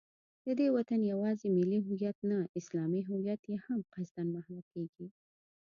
د دې وطن یوازې ملي هویت نه، اسلامي هویت یې هم قصدا محوه کېږي